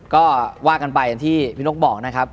ก็ว่ากันไปอย่างที่พี่นกบอกนะครับ